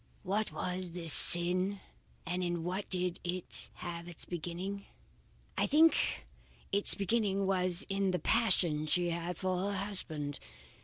What was this sin, and in what did it have its beginning? I think its beginning was in the passion she had for her husband.